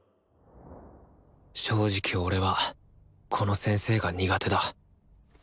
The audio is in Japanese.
正直俺はこの先生が苦手だ。